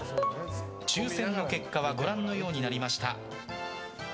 抽選の結果はご覧のようになりました。